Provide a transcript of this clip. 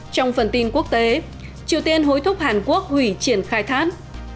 trong phần tin quốc tế triều tiên hối thúc hàn quốc hủy triển khai thác